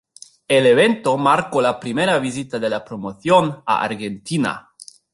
El evento marcó la primera visita de la promoción a Argentina.